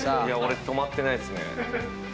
いや俺止まってないっすね。